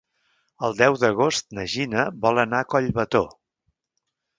El deu d'agost na Gina vol anar a Collbató.